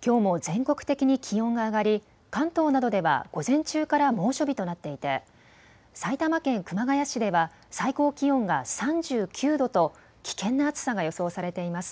きょうも全国的に気温が上がり関東などでは午前中から猛暑日となっていて埼玉県熊谷市では最高気温が３９度と危険な暑さが予想されています。